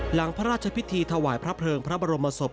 หลังพระราชพิธีถวายพระเพลิงพระบรมศพ